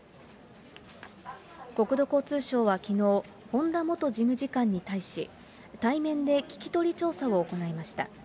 国土交通省はきのう、本田元事務次官に対し、対面で聞き取り調査を行いました。